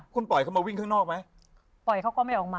คุณปล่อยเขามาวิ่งข้างนอกไหม